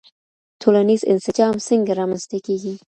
ټولنیز انسجام څنګه رامنځته کیږي؟